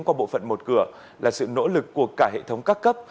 qua bộ phận một cửa là sự nỗ lực của cả hệ thống các cấp